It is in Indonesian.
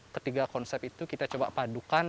ketiga konsep itu kita coba padukan